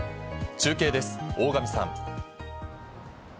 中継です、大神さん。